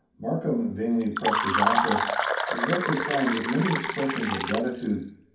Markham vainly pressed his offer: it was declined with many expressions of gratitude.